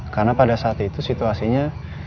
karena pada saat itu situasinya